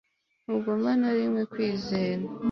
ntugomba na rimwe kwizera